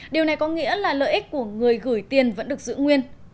điều này có nghĩa là lợi ích của người gửi tiền vẫn được giữ nguyên